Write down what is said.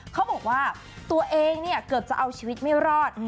เขาบอกว่าตัวเองเนี่ยเกือบจะเอาชีวิตไม่รอด